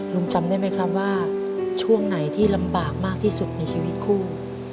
จำได้ไหมครับว่าช่วงไหนที่ลำบากมากที่สุดในชีวิตคู่